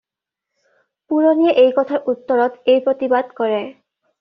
পুৰণিয়ে এই কথাৰ উত্তৰত এই প্ৰতিবাদ কৰে